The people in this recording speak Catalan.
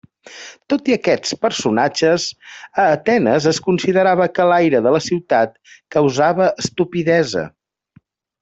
Tot i aquests personatges, a Atenes es considerava que l'aire de la ciutat causava estupidesa.